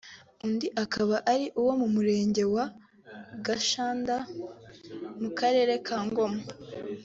undi akaba ari uwo mu Murenge wa Gashanda mu Karere ka Ngoma